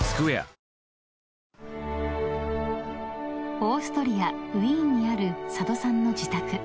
［オーストリアウィーンにある佐渡さんの自宅］